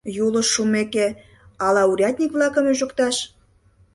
Юлыш шумеке, ала урядник-влакым ӱжыкташ?..